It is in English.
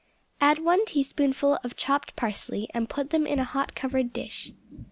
Add one teaspoonful of chopped parsley, and put them in a hot covered dish.